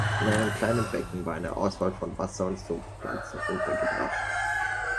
In einem kleinen Becken war eine Auswahl von Wasser- und Sumpfpflanzen untergebracht.